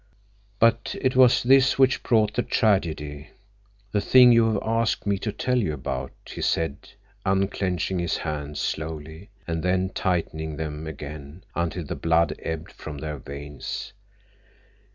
"But it was this which brought the tragedy, the thing you have asked me to tell you about," he said, unclenching his hands slowly, and then tightening them again until the blood ebbed from their veins.